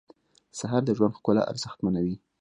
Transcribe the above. سهار د ژوند ښکلا ارزښتمنوي.